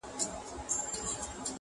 ژر سه ووهه زموږ خان ته ملاقونه!.